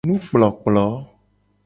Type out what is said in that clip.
Nukplokplo.